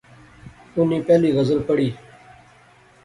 انی پہلی غزل پڑھی